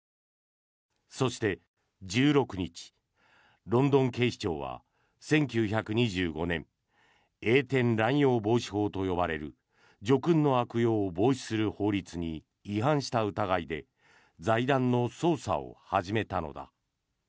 そして１６日、ロンドン警視庁は１９２５年栄典乱用防止法と呼ばれる叙勲の悪用を防止する法律に違反した疑いで財団の捜査を始めたという。